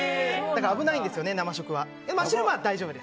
危ないんです、生食は。